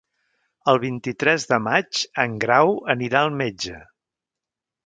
El vint-i-tres de maig en Grau anirà al metge.